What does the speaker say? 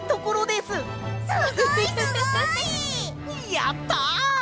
やった！